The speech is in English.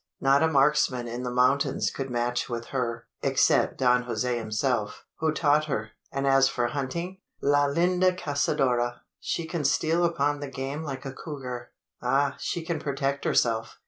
Not a marksman in the mountains could match with her, except Don Jose himself, who taught her; and as for hunting la linda cazadora! she can steal upon the game like a couguar. Ah! she can protect herself.